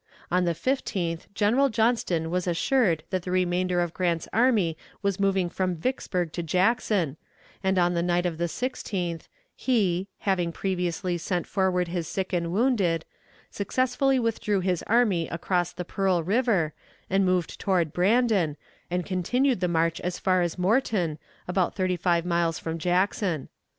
On the 15th General Johnston was assured that the remainder of Grant's army was moving from Vicksburg to Jackson, and on the night of the 16th he, having previously sent forward his sick and wounded, successfully withdrew his army across the Pearl River, and moved toward Brandon, and continued the march as far as Morton, about thirty five miles from Jackson.